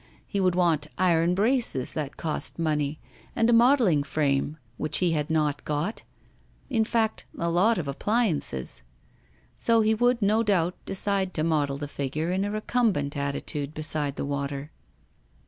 He would want iron braces that cost money, and a modelling frame, which he had not got; in fact, a lot of appliances. So he would, no doubt, decide to model the figure in a recumbent attitude beside the water.